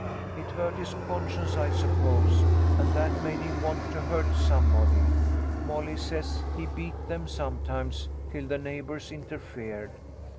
It hurt his conscience, I suppose, and that made him want to hurt somebody. Molly says he beat them sometimes till the neighbours interfered.